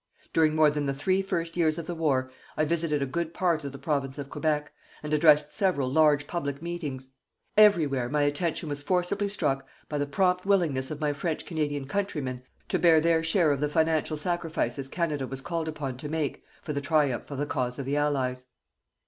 During more than the three first years of the war, I visited a good part of the Province of Quebec, and addressed several large public meetings. Everywhere my attention was forcibly struck by the prompt willingness of my French Canadian countrymen to bear their share of the financial sacrifices Canada was called upon to make for the triumph of the cause of the Allies.